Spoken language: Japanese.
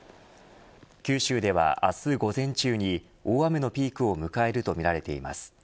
九州では明日午前中に大雨のピークを迎えるとみられています。